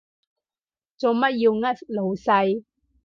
做乜要呃老細？